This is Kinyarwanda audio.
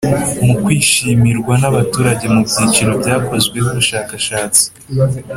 Mu kwishimirwa n abaturage mu byiciro byakozweho ubushakashatsi